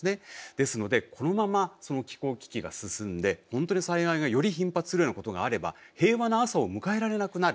ですのでこのまま気候危機が進んで本当に災害がより頻発するようなことがあれば平和な朝を迎えられなくなる。